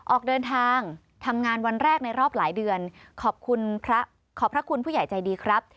ออกเดินทางทำงานวันแรกในรอบหลายเดือนขอบคุณพระขอบพระคุณผู้ใหญ่ใจดีครับ